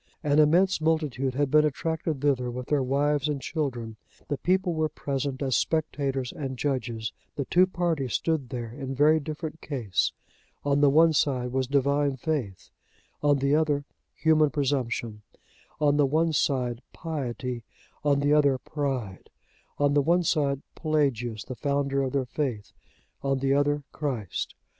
An immense multitude had been attracted thither with their wives and children. The people were present as spectators and judges; the two parties stood there in very different case; on the one side was Divine faith, on the other human presumption; on the one side piety, on the other pride; on the one side Pelagius, the founder of their faith, on the other Christ.